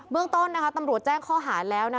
เรื่องต้นตำรวจแจ้งข้อหาแล้ว